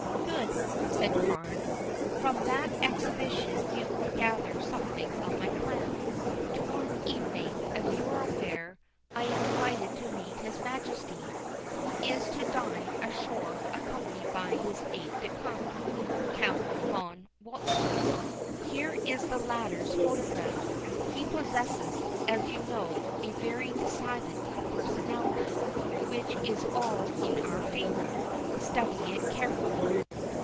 "Good," said Carne. "From that exhibition you will gather something of my plan. To morrow evening, as you are aware, I am invited to meet his Majesty, who is to dine ashore accompanied by his aide de camp, Count Von Walzburg. Here is the latter's photograph. He possesses, as you know, a very decided personality, which is all in our favor. Study it carefully."